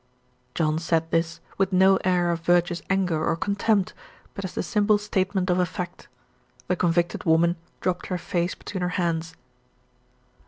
John said this, with no air of virtuous anger or contempt, but as the simple statement of a fact. The convicted woman dropped her face between her hands.